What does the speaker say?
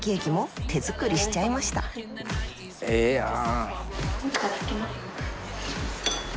ええやん。